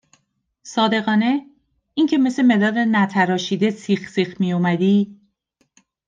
صادقانه؟ اینکه مث مداد نتراشیده سیخ سیخ می اومدی